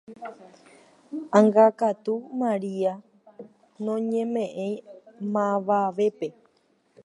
Ág̃akatu Maria noñemeʼẽi mavavépe.